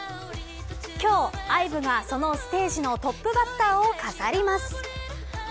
今日ＩＶＥが、そのステージのトップバッターを飾ります。